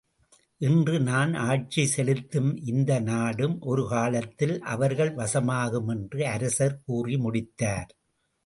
இன்று நான் ஆட்சி செலுத்தும் இந்த நாடும் ஒரு காலத்தில் அவர்கள் வசமாகும் என்று அரசர் கூறி முடித்தார்.